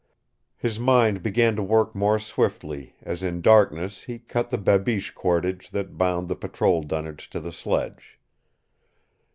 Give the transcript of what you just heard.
His mind began to work more swiftly as in darkness he cut the babiche cordage that bound the patrol dunnage to the sledge.